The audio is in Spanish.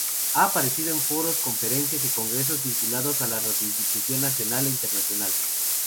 Ha participado en foros, conferencias y congresos vinculados a la radiodifusión, nacional e internacional.